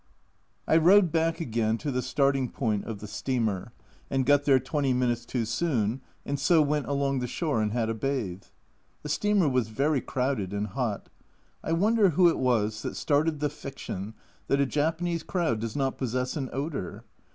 I rode back again to the starting point of the steamer, and got there twenty minutes too soon, and so went along the shore and had a bathe. The steamer was very crowded and hot I wonder who it was that started the fiction that a Japanese crowd does not possess an odour?